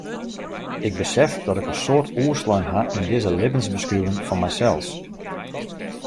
Ik besef dat ik in soad oerslein ha yn dizze libbensbeskriuwing fan mysels.